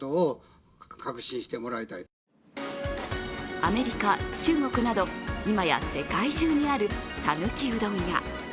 アメリカ、中国など今や世界中にあるさぬきうどん屋。